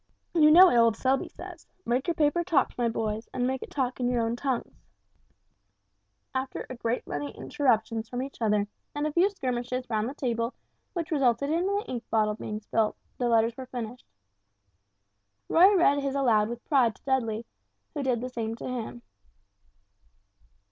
"You know what old Selby says: 'Make your paper talk, my boys, and make it talk in your own tongues.'" After a great many interruptions from each other, and a few skirmishes round the table which resulted in the ink bottle being spilt, the letters were finished. Roy read his aloud with pride to Dudley, who did the same to him.